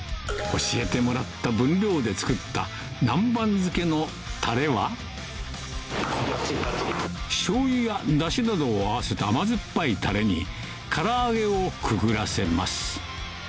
教えてもらった分量で作った南蛮漬けのしょうゆやダシなどを合わせた甘酸っぱいタレにからあげをくぐらせます